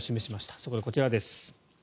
そこでこちらです。